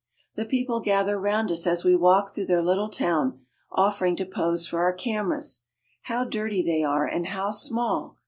The people gather round us as we walk through their little town, offering to pose for our cameras. How dirty they are and how small